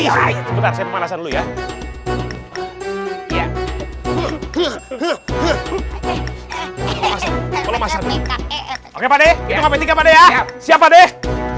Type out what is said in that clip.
siapa deh siapa deh